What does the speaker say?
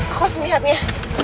aku harus melihatnya